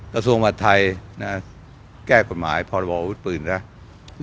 กระทรวงหมาศไทยแก้กฎหมายพอบอกวุฒิปืนแล้ว